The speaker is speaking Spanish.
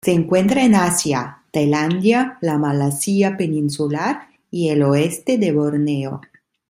Se encuentra en Asia: Tailandia, la Malasia peninsular y el oeste de Borneo.